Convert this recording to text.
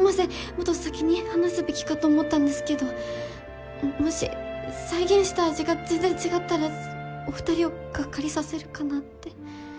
もっと先に話すべきかと思ったんですけどもし再現した味が全然違ったらお二人をがっかりさせるかなって。